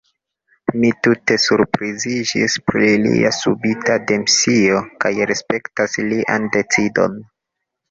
Mi tute surpriziĝis pri lia subita demisio, kaj respektas lian decidon.